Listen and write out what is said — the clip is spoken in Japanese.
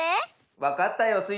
わかったよスイ